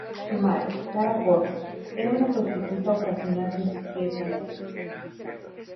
Su madre, Sarah Gordon, era una prostituta ocasional que sufría epilepsia.